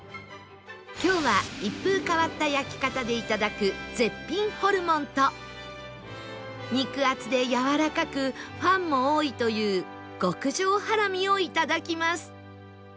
今日は一風変わった焼き方でいただく絶品ホルモンと肉厚でやわらかくファンも多いという極上ハラミをいただきます